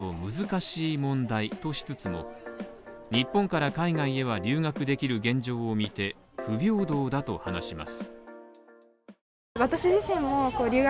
土屋さんはコロナの感染状況を考えると難しい問題としつつも、日本から海外へは留学できる現状を見て、不平等だと話します。